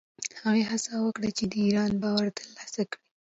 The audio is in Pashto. هغه هڅه وکړه چې د ایران باور ترلاسه کړي.